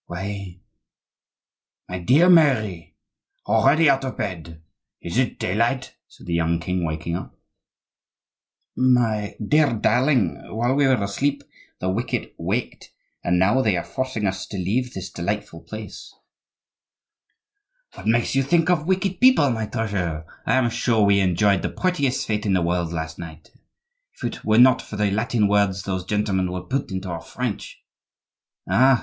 "Why! my dear Mary, already out of bed? Is it daylight?" said the young king, waking up. "My dear darling, while we were asleep the wicked waked, and now they are forcing us to leave this delightful place." "What makes you think of wicked people, my treasure? I am sure we enjoyed the prettiest fete in the world last night—if it were not for the Latin words those gentlemen will put into our French." "Ah!"